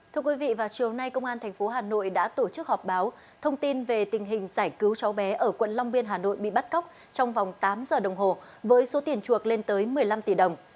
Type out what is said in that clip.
thưa quý vị vào chiều nay công an tp hà nội đã tổ chức họp báo thông tin về tình hình giải cứu cháu bé ở quận long biên hà nội bị bắt cóc trong vòng tám giờ đồng hồ với số tiền chuộc lên tới một mươi năm tỷ đồng